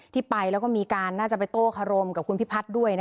ที่ไปแล้วก็มีการน่าจะไปโต้คารมกับคุณพิพัฒน์ด้วย